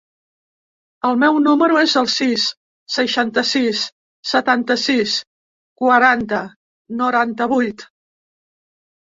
El meu número es el sis, seixanta-sis, setanta-sis, quaranta, noranta-vuit.